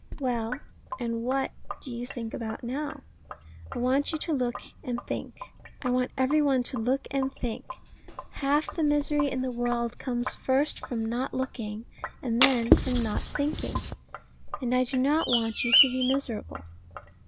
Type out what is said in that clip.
Well, and what do you think about it now? I want you to look and think. I want every one to look and think. Half the misery in the world comes first from not looking, and then from not thinking. And I do not want you to be miserable.